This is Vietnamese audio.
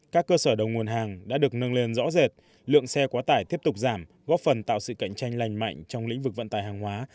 các cơ sở đầu nguồn hàng đã được nâng lên rõ rệt lượng xe quá tải tiếp tục giảm góp phần tạo sự cạnh tranh lành mạnh trong lĩnh vực vận tải hàng hóa